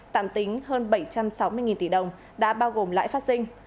tạm tính hơn bảy trăm sáu mươi tỷ đồng đã bao gồm lãi phát sinh